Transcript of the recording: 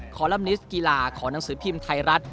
ลัมนิสต์กีฬาของหนังสือพิมพ์ไทยรัฐ